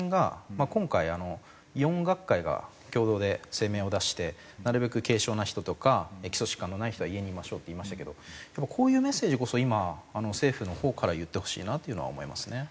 まあ今回４学会が共同で声明を出してなるべく軽症な人とか基礎疾患のない人は家にいましょうって言いましたけどこういうメッセージこそ今政府のほうから言ってほしいなっていうのは思いますね。